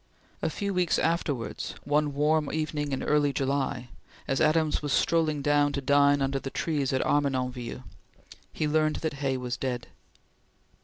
A few weeks afterwards, one warm evening in early July, as Adams was strolling down to dine under the trees at Armenonville, he learned that Hay was dead.